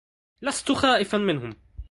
لست خائفا منهم.